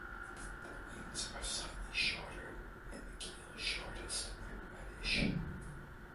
The wings are slightly shorter and the keel shortest and reddish.